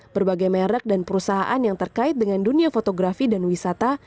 berbagai merek dan perusahaan yang terkait dengan dunia fotografi dan wisata